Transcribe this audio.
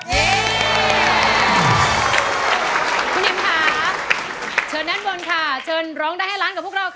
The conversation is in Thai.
คุณอิมค่ะเชิญด้านบนค่ะเชิญร้องได้ให้ล้านกับพวกเราค่ะ